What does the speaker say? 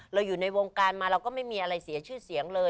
อยู่ในวงการมาเราก็ไม่มีอะไรเสียชื่อเสียงเลย